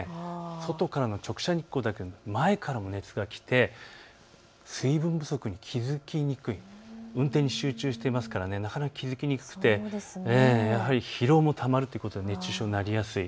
外からの直射日光だけではなく前からも熱が来て水分不足に気付きにくい運転に集中していますからなかなか気付きにくくて疲労もたまるということで熱中症になりやすい。